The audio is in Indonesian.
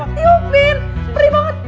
tiupin beri banget